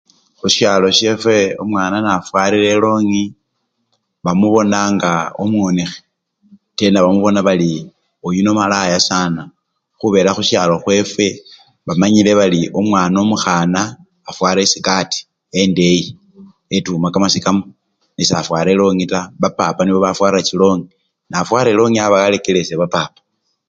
Khusyalo syefwe omwana nafwarire elongi, bamubona nga omwonekhe tena bamubona bali oyuno malaya sana khubela khusyalo khwefwe bamanyile bari omwana omukhana afwara esikati endeyi etuma kamasikamo nesafwara elongi taa, bapapa nibo bafwara chilongi, nafwara elongi aba warekelesye bapapa.